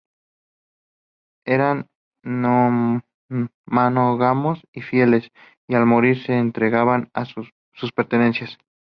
Eran monógamos y fieles, y al morir se enterraban sus pertenencias.